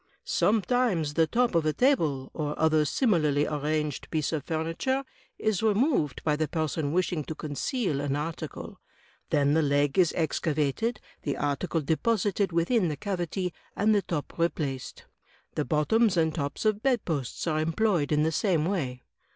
"Sometimes the top of a table, or other similarly arranged piece of furniture, is removed by the person wishing to conceal an article; then the leg is excavated, the article deposited within the cavity, and the top replaced. The bottoms and tops of bedposts are employed in the same way."